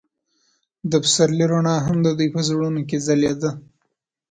د پسرلی رڼا هم د دوی په زړونو کې ځلېده.